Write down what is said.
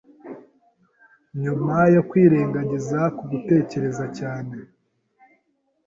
Nyuma yo kwirengagiza ku gutekereza cyane